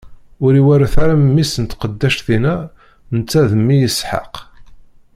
Ur iweṛṛet ara mmi-s n tqeddact-inna netta d mmi Isḥaq!